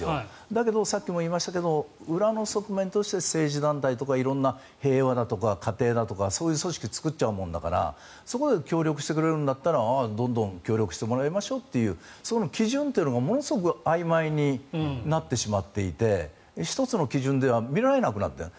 だけど、さっきも言いましたが裏の側面として政治団体とか色々な平和だとか家庭だとかそういう組織を作っちゃうもんだからそこで協力してくれるんだったらどんどん協力してもらいましょうというそこの基準がものすごくあいまいになってしまっていて１つの基準では見られなくなっている。